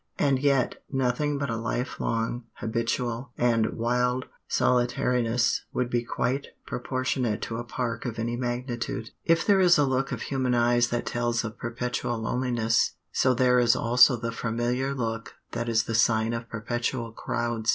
And yet nothing but a life long, habitual, and wild solitariness would be quite proportionate to a park of any magnitude. If there is a look of human eyes that tells of perpetual loneliness, so there is also the familiar look that is the sign of perpetual crowds.